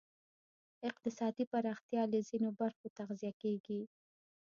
اقتصادي پراختیا له ځینو برخو تغذیه کېږی.